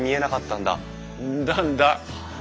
んだんだ。